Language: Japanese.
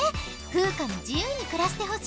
フウカに自ゆうにくらしてほしい。